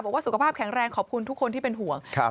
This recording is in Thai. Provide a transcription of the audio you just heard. สุขภาพแข็งแรงขอบคุณทุกคนที่เป็นห่วง